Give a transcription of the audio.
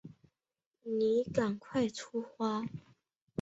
你赶快出发